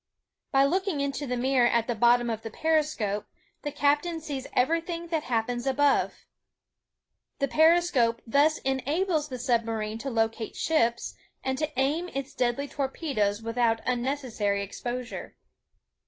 By looking into the mirror at the bottom of the periscope, the captain sees everything that happens above. The periscope thus enables the submarine to locate ships, and to aim its deadly torpedoes without unnecessary exposure.